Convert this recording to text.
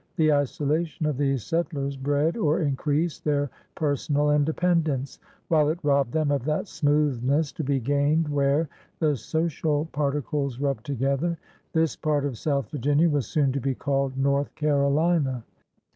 The isolation of these settlers bred or increased their personal independence, while it robbed them of that smoothness to be gained where the social particles rub together. This part of South Virginia was soon to be called North Carolina.